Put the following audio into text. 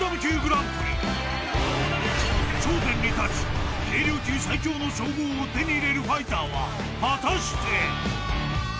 ［頂点に立ち軽量級最強の称号を手に入れるファイターは果たして⁉］